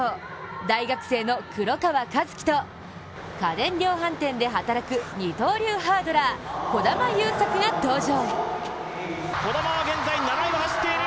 大学生の黒川和樹と、家電量販店で働く二刀流ハードラー、児玉悠作が登場。